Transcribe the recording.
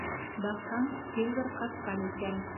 Баҡһаң, Сильвер ҡасҡан икән.